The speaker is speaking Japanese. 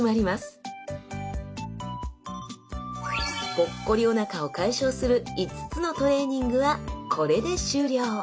ポッコリおなかを解消する５つのトレーニングはこれで終了！